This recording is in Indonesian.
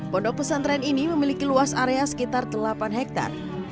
pondok pesantren ini memiliki luas area sekitar delapan hektare